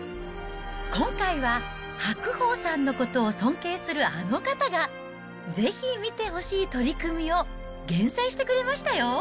今回は白鵬さんのことを尊敬するあの方が、ぜひ見てほしい取組を厳選してくれましたよ。